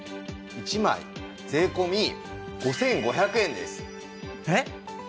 １枚税込５５００円です。えっ？